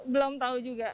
belum tahu juga